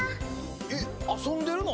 えっあそんでるの？